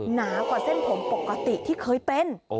หนากว่าเส้นผมปกติที่เคยเป็น